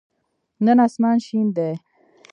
نن آسمان شین دی.